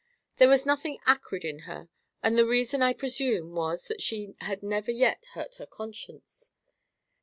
There was nothing acrid in her; and the reason, I presume, was, that she had never yet hurt her conscience.